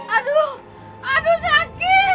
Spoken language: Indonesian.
aduh perutku sakit sekali